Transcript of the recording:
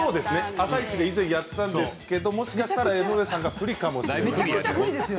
「あさイチ」で以前やったんですけれどもしかしたら江上さんは不利かもしれないですね。